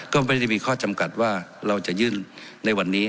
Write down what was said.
ก็ไม่ได้มีข้อจำกัดว่าเราจะยื่นในวันนี้